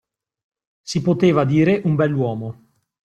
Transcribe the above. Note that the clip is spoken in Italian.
Si poteva dire un bell'uomo.